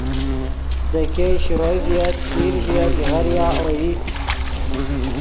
دے ګئے شروئے ڤییت چشیر ڤییت ایغاریا اوئی